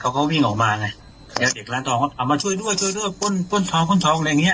เขาก็วิ่งออกมาไงแล้วเด็กร้านทองเขาเอามาช่วยด้วยช่วยด้วยป้นป้นทองป้นทองอะไรอย่างเงี้